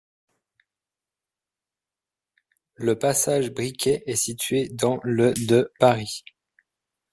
Le passage Briquet est situé dans le de Paris.